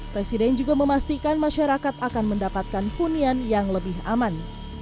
presiden juga memastikan masyarakat akan mendapatkan hunian yang lebih aman